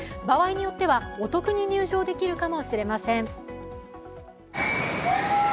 場合によっては、お得に入場できるかもしれません。